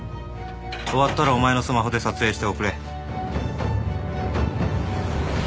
終わったらお前のスマホで撮影して送れ。